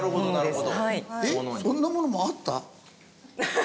えっそんなものもあった？